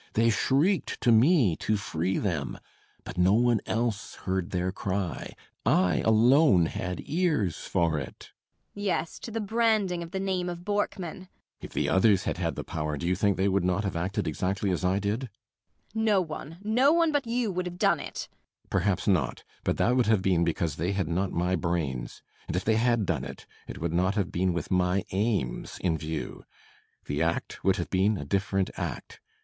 They shrieked to me to free them! But no one else heard their cry I alone had ears for it. MRS. BORKMAN. Yes, to the branding of the name of Borkman. BORKMAN. If the others had had the power, do you think they would not have acted exactly as I did? MRS. BORKMAN. No one, no one but you would have done it! BORKMAN. Perhaps not. But that would have been because they had not my brains. And if they had done it, it would not have been with my aims in view. The act would have been a different act.